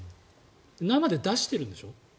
生で出してるんでしょ。